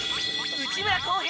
内村航平